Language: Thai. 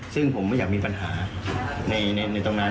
ซึ่งผมไม่อยากมีปัญหาในตรงนั้น